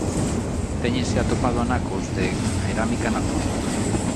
Téñense atopado anacos de cerámica na zona.